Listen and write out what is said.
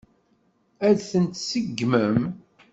Ad tent-tseggmem?